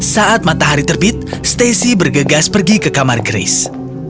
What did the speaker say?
saat matahari terbit stacy bergegas pergi ke kamar grace